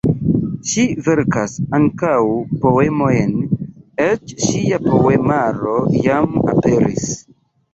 Ŝi verkas ankaŭ poemojn, eĉ ŝia poemaro jam aperis.